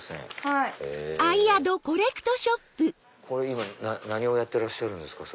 今何をやってらっしゃるんですか？